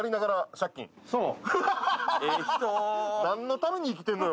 ために生きてんのよ